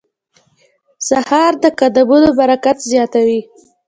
سهار د قدمونو برکت زیاتوي.